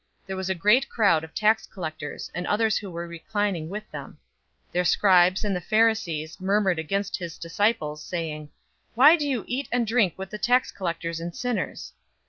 There was a great crowd of tax collectors and others who were reclining with them. 005:030 Their scribes and the Pharisees murmured against his disciples, saying, "Why do you eat and drink with the tax collectors and sinners?"